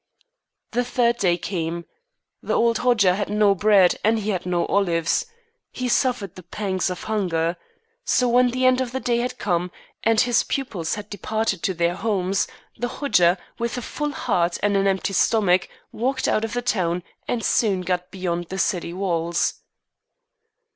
The third day came. The old Hodja had no bread and he had no olives. He suffered the pangs of hunger. So when the end of the day had come, and his pupils had departed to their homes, the Hodja, with a full heart and an empty stomach, walked out of the town, and soon got beyond the city walls.